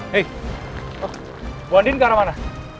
hei bu andin ke arah mana